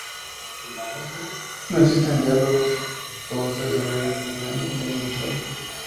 No existen diálogos, todo se desarrolla con gran ingenio visual.